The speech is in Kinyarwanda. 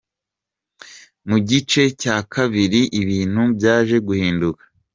Mu gice cya kabriri ibintu byaje guhinduka.